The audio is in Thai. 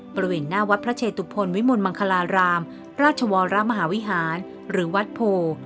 บริเวณหน้าวัดพระเชตุพลวิมลมังคลารามราชวรมหาวิหารหรือวัดโพ